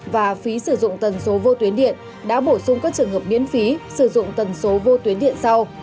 và phí sử dụng tần số vô tuyến điện đã bổ sung các trường hợp miễn phí sử dụng tần số vô tuyến điện sau